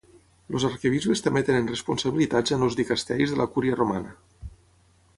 Els arquebisbes també tenen responsabilitats en els dicasteris de la Cúria Romana.